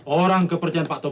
orang kepercayaan pak tobari